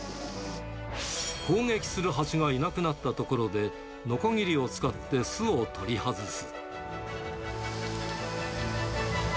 攻撃するハチがいなくなったところで、のこぎりを使って巣を取り外す。